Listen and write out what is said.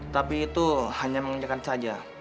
tapi itu hanya mengenyakan saja